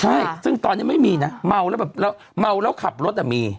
ใช่ซึ่งตอนนี้ไม่มีนะเมาแล้วขับรถอ่ะมี